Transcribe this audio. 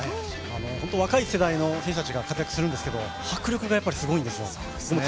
本当に若い世代の選手たちが活躍するんですけど迫力がやっぱりすごいんですよ。